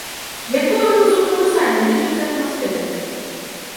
Якую музыку вы самі лічыце атмасфернай?